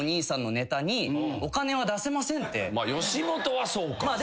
まあ吉本はそうか。